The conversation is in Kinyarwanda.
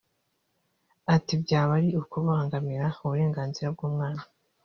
Ati “Byaba ari ukubangamira Uburenganzira bw’umwana